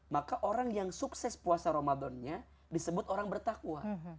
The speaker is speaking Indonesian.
maka orang yang sukses puasa ramadannya disebut orang bertakwa